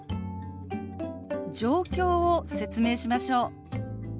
状況を説明しましょう。